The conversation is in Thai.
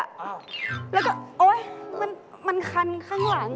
แล้วก็มันขันข้างหลัง